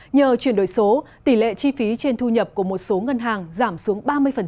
nhờ chuyển đổi số tỷ lệ chi phí trên thu nhập của một số ngân hàng giảm xuống ba mươi